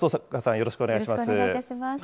よろしくお願いします。